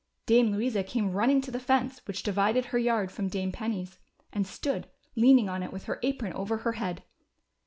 Dame Louisa came running to the fence which divided her yard from Dame Penny's, and stood leaning on it with her apron over her head.